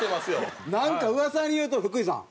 なんか噂によると福井さん。